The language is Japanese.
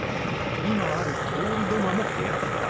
今ある通り土間も部屋だった。